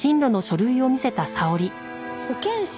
保健師？